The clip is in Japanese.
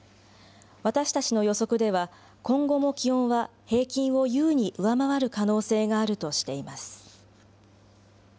私たちの予測では、今後も気温は平均を優に上回る可能性があるとしています。